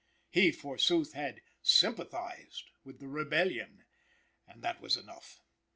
He, forsooth, had "sympathized" with the Rebellion and that was enough!